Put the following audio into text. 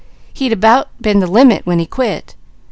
He'd about been the limit when he quit.